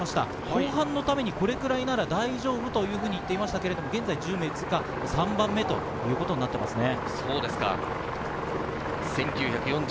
後半のためにこれくらいなら大丈夫というふうに言っていましたけれど、現在１０人通過、３番目ということになっていますね。